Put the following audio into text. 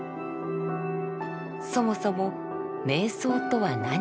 そもそも瞑想とは何か。